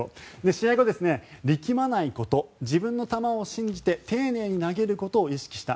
試合後、力まないこと自分の球を信じて丁寧に投げることを意識した。